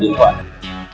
điện thoại di động